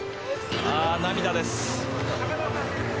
涙です。